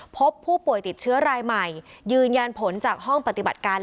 พบผู้ป่วยติดเชื้อรายใหม่ยืนยันผลจากห้องปฏิบัติการ